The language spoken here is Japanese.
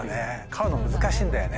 飼うの難しいんだよね